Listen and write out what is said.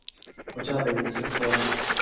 佛教的人生觀